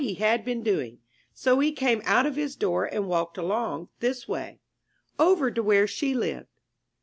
"S MY BOOK HOUSE had been doing, so he came out of his door and walked along, this way, fe?^ rR^ over to where she lived.